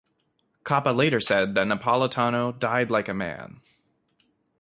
Coppa later said that Napolitano "died like a man".